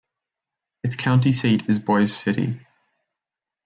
Its county seat is Boise City.